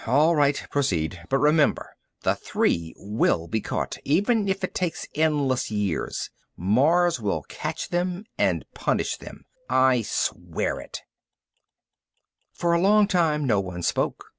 All right, proceed! But remember: the three will be caught, even if it takes endless years. Mars will catch them and punish them! I swear it!" For a long time no one spoke.